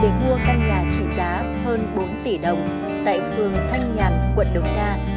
để mua căn nhà trị giá hơn bốn tỷ đồng tại phường thanh nhàn quận đồng nga